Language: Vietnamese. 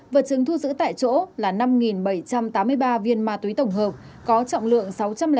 vật chứng thu giữ tại chỗ là năm bảy trăm tám mươi ba viên ma túy tổng hợp có trọng lượng sáu trăm linh một sáu mươi bốn gam